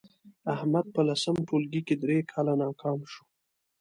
احمد په لسم ټولگي کې درې کاله ناکام شو